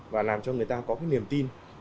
và làm cho người ta có cái niềm tin